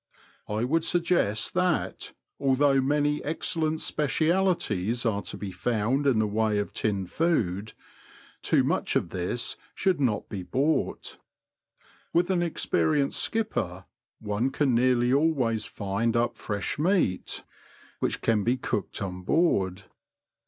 I would suggest that, although many excellent specialities are to be found in the way of tinned food, too much of this should not be bought. With an experienced skipper, one can nearly always find up fresh meat, which can be cooked on board.